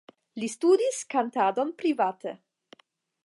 Li studis kantadon private.